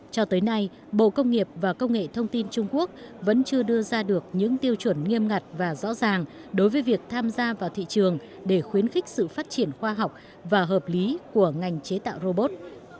cho tới nay bộ công nghiệp và công nghệ thông tin trung quốc vẫn chưa đưa ra được những tiêu chuẩn nghiêm ngặt và rõ ràng đối với việc tham gia vào thị trường để khuyến khích sự phát triển khoa học và hợp lý của ngành chế tạo robot